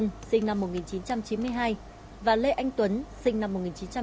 nguyễn trung diệu sinh năm một nghìn chín trăm chín mươi hai lê anh tuấn sinh năm một nghìn chín trăm chín mươi bảy